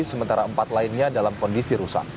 sementara empat lainnya dalam kondisi rusak